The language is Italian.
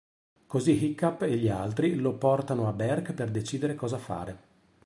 Così Hiccup e gli altri lo portano a Berk per decidere cosa fare.